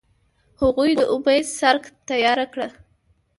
هغوی د امید څرک تیاره کړ.